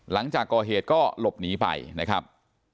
หลังจากก่อเหตุก็หลบหนีไปนะครับ